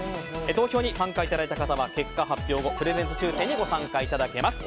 投票に参加いただいた方は結果発表後プレゼント抽選に参加いただけます。